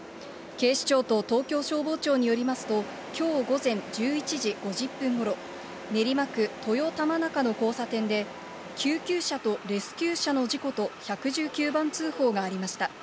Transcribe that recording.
警視庁と東京消防庁によりますと、きょう午前１１時５０分ごろ、練馬区とよたまなかの交差点で、救急車とレスキュー車の事故と１１９番通報がありました。